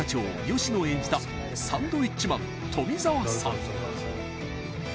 吉乃を演じたサンドウィッチマン富澤さん